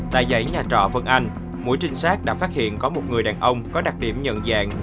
tại dãy nhà trọ vân anh mũi trinh sát đã phát hiện có một người đàn ông có đặc điểm nhận dạng